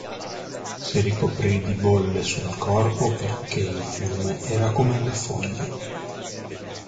Si ricoprì di bolle sul corpo perché il fiume era come una fogna.